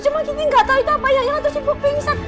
terus cuma gigi gak tau itu apa ya ayangnya terus sibuk pingsan